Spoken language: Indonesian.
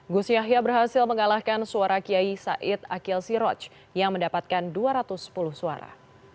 gus yahya berhasil mengalahkan suara kiai said akil siroj yang mendapatkan dua ratus sepuluh suara